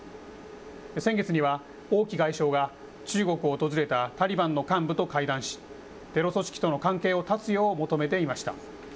先月には、王毅外相が中国を訪れたタリバンの幹部と会談し、テロ組織との関係を断つよう求めていました。